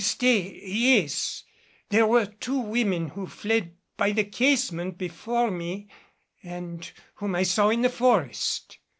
Stay yes, there were two women who fled by the casement before me and whom I saw in the forest."